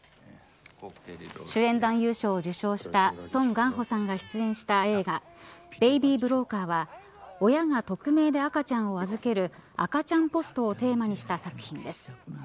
主演男優賞を受賞したソン・ガンホさんが出演した映画ベイビー・ブローカーは親が匿名で赤ちゃんを預ける赤ちゃんポストをテーマにした作品です。